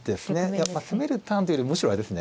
やっぱ攻めるターンというよりもむしろあれですね